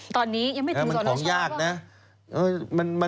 ตอนนี้ยังไม่ถึงสสนะครับ